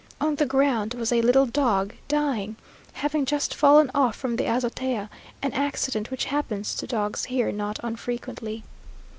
On the ground was a little dog, dying, having just fallen off from the azotea, an accident which happens to dogs here not unfrequently.